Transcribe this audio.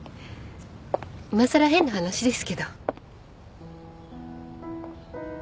いまさら変な話ですけど。